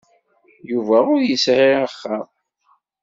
Yuba ur yesɛi axxam.